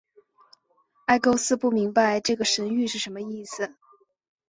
埃勾斯不明白这个神谕是什么意思。